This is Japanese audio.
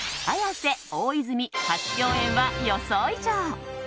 綾瀬、大泉初共演は予想以上。